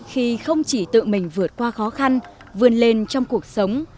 khi không chỉ tự mình vượt qua khó khăn vươn lên trong cuộc sống